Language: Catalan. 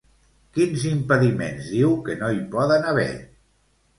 Quins impediments diu que no hi poden haver?